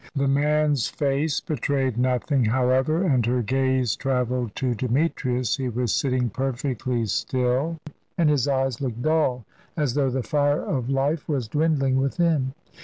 The man's face betrayed nothing, however, and her gaze travelled to Demetrius. He was sitting perfectly still, and his eyes looked dull, as though the fire of life was dwindling within.